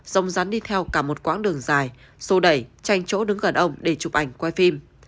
rồng rắn đi theo cả một quãng đường dài sô đẩy tranh chỗ đứng gần ông để chụp ảnh quay phim